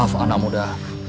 maaf anak muda